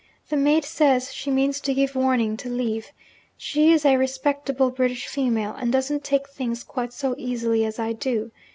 The maid says she means to give warning to leave. She is a respectable British female, and doesn't take things quite so easily as I do.